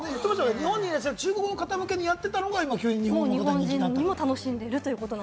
日本にいらっしゃる中国の方向けにやってたのが、今や日本にも楽しまれていると。